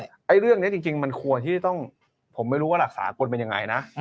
ไอ้เรื่องนี้จริงมันควรที่ต้องผมไม่รู้ว่าหลักสากลเป็นยังไงนะ